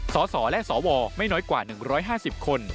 สสและสวไม่น้อยกว่า๑๕๐คน